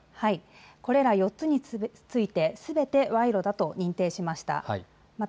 これら４つについてすべて賄賂だと認定しました。